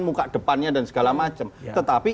muka depannya dan segala macam tetapi